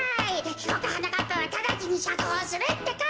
ひこくはなかっぱはただちにしゃくほうするってか。